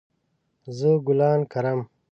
زه ګلان کرم